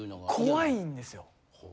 怖いんですよ。